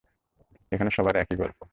এখানের সবার একই গল্প।